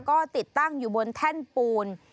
ก็ติดตั้งอยู่บนแท่นปูน